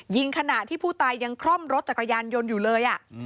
ขณะที่ผู้ตายยังคล่อมรถจักรยานยนต์อยู่เลย